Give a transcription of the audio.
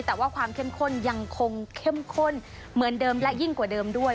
แต่ว่าความเข้มข้นยังคงเข้มข้นเหมือนเดิมและยิ่งกว่าเดิมด้วย